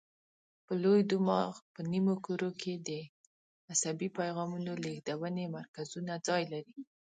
په لوی دماغ په نیمو کرو کې د عصبي پیغامونو لېږدونې مرکزونه ځای لري.